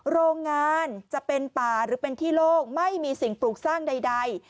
โรงงานจะเป็นป่าหรือเป็นที่โล่งไม่มีสิ่งปลูกสร้างใด